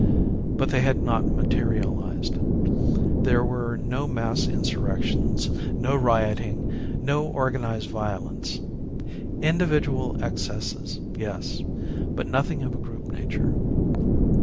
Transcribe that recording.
But they had not materialized. There were no mass insurrections, no rioting, no organized violence. Individual excesses, yes but nothing of a group nature.